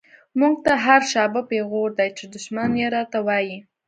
مونږ ته هر “شابه” پیغور دۍ، چی دشمن یی راته وایی